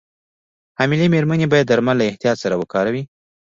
حاملې مېرمنې باید درمل له احتیاط سره وکاروي.